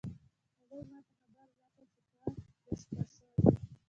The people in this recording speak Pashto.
هغې ما ته خبر راکړ چې کار بشپړ شوی ده